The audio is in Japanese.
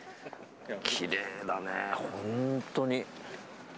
きれいだね、本当に。